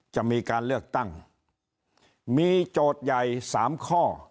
จะมีการเลือกตั้งมีโจทย์ใหญ่๓ข้อ